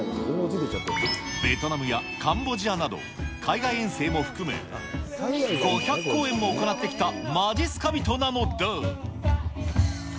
ベトナムやカンボジアなど、海外遠征も含め、５００公演も行ってきたまじっすか人なのだ。